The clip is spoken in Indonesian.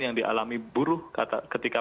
yang dialami buruh ketika